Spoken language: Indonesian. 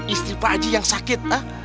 istri bu aji yang sakit